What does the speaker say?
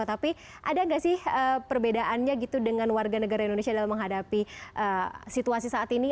tapi ada nggak sih perbedaannya gitu dengan warga negara indonesia dalam menghadapi situasi saat ini